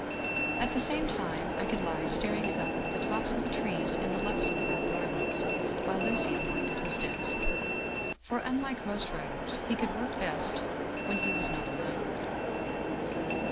At the same time I could lie staring up at the tops of the trees in the Luxembourg Gar dens, while Lucien worked at his desk. For, unlike most writers, he could work best when he was not alone.